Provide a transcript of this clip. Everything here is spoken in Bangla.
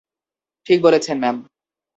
ঠিক বলেছেন, ম্যাম।